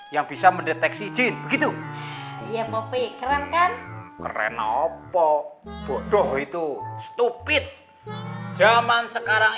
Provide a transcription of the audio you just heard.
yang bisa mendeteksi jin begitu ya kopi keren kan keren opo bodoh itu stupit zaman sekarang